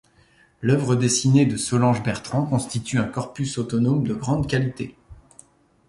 L’œuvre dessinée de Solange Bertrand constitue un corpus autonome de grande qualité.